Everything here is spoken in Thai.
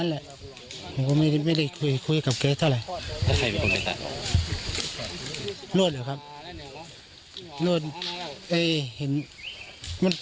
ล้อมรั้วเรื่องร้อมรั้ว